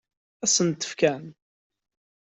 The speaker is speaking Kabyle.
Ad sent-t-fken?